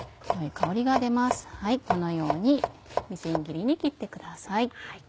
このようにみじん切りに切ってください。